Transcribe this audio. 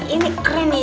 ini keren ya